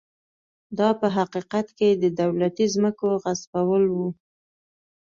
دا په حقیقت کې د دولتي ځمکو غصبول و.